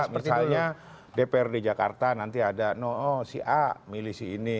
misalnya dprd jakarta nanti ada no oh si a milih si ini